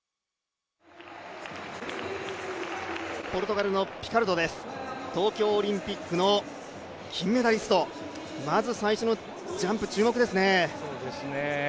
ポルトガルのピカルドです、東京オリンピックの金メダリスト、まず最初のジャンプ、注目ですね。